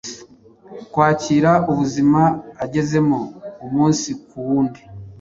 kwakira ubuzima agezemo umunsi ku wundi,